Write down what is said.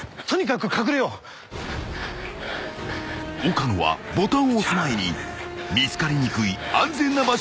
［岡野はボタンを押す前に見つかりにくい安全な場所を探す］